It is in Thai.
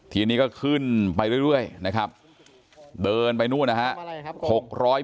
ทีนี้ก็ขึ้นไปเรื่อยนะครับเดินไปนู่นนะฮะ